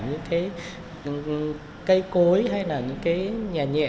những cái cây cối hay là những cái nhà nhẹ